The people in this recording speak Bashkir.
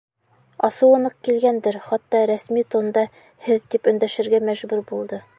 Асыуы ныҡ килгәндер, хатта рәсми тонда «һеҙ» тип өндәшергә мәжбүр булды.